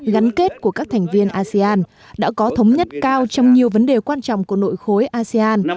gắn kết của các thành viên asean đã có thống nhất cao trong nhiều vấn đề quan trọng của nội khối asean